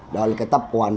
đó là cái tập quản